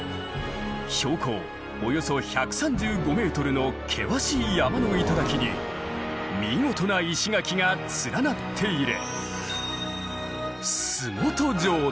標高およそ１３５ｍの険しい山の頂に見事な石垣が連なっている。